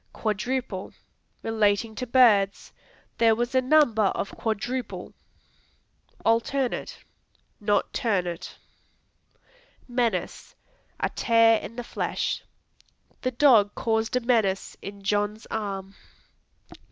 Quadruple Relating to birds; "There was a number of quadruple." Alternate Not ternate. Menace A tare in the flesh; "The dog caused a menace in John's arm."